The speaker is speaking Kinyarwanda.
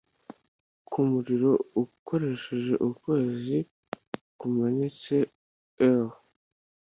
Kumuriro ukoresheje ukwezi kumanitse oer